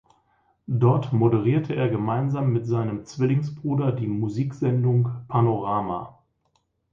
Dort moderierte er gemeinsam mit seinem Zwillingsbruder die Musiksendung "Panorama".